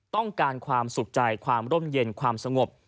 ต้องการความสุขใจความร่มเย็นความสงบ